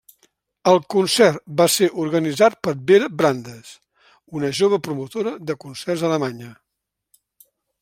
El concert va ser organitzat per Vera Brandes, una jove promotora de concerts alemanya.